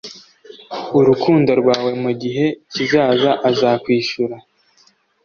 Urukundo rwawe mugihe kizaza azakwishura